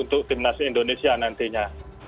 untuk gimnasium indonesia nantinya